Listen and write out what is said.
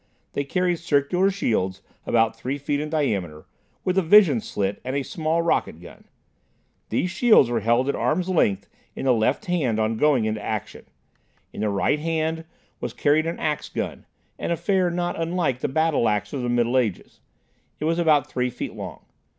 They carried circular shields, about three feet in diameter, with a vision slit and a small rocket gun. These shields were held at arm's length in the left hand on going into action. In the right hand was carried an ax gun, an affair not unlike the battle ax of the Middle Ages. It was about three feet long.